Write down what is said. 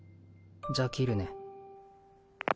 じゃあ切るね。